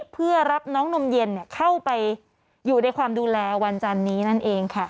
เพื่อรับน้องนมเย็นเข้าไปอยู่ในความดูแลวันจันนี้นั่นเองค่ะ